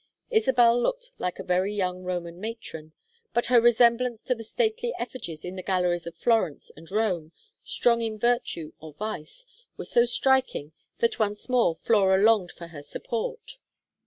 Isabel looked like a very young Roman matron, but her resemblance to the stately effigies in the galleries of Florence and Rome, strong in virtue or vice, was so striking that once more Flora longed for her support.